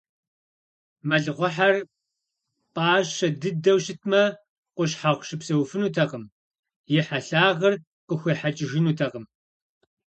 Мэлыхъуэхьэр пӀащэ дыдэу щытмэ, Къущхьэхъу щыпсэуфынутэкъым, и хьэлъагъыр къыхуехьэкӀыжынутэкъым.